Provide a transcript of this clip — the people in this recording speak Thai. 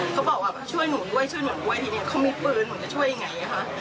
เขาบอกว่าช่วยหนูด้วยช่วยหนูด้วยทีนี้เขามีปืนหนูจะช่วยยังไงคะ